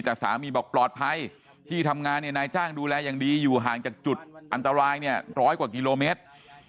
แต่สามีบอกปลอดภัยที่ทำงานเนี่ยนายจ้างดูแลอย่างดีอยู่ห่างจากจุดอันตรายเนี่ยร้อยกว่ากิโลเมตร